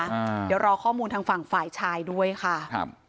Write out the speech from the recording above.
อ่าเดี๋ยวรอข้อมูลทางฝั่งฝ่ายชายด้วยค่ะครับ